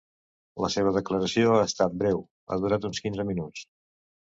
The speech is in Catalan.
La seva declaració ha estat breu: ha durat uns quinze minuts.